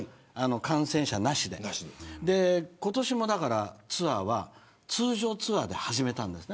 感染者なしで、今年もツアーは通常ツアーで始めたんですね